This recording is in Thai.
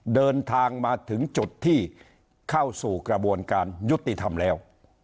เดินทางมาถึงจุดที่เข้าสู่กระบวนการยุติธรรมแล้ว